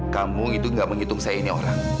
kamu itu gak menghitung saya ini orang